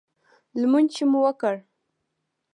لمونځ چې مو وکړ.